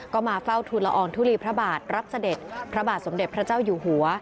ก็มาเฝ้าทุนละอองทุลีพระบาทรับเสด็จพระบาทสมเด็จพระเจ้าอยู่หัว